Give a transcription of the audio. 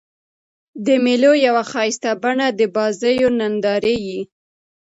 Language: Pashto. د مېلو یوه ښایسته بڼه د بازيو نندارې يي.